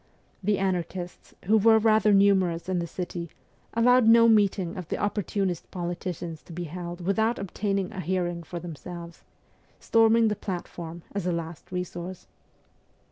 The anarchists, who were rather numerous in the city, allowed no meeting of the opportunist politicians to be held without obtaining a hearing for themselves storming the platform, as a last resource.